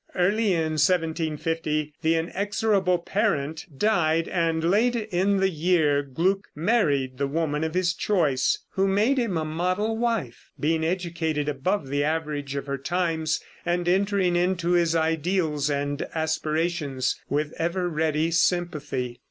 Early in 1750 the inexorable parent died, and late in the year Gluck married the woman of his choice, who made him a model wife, being educated above the average of her times, and entering into his ideals and aspirations with ever ready sympathy.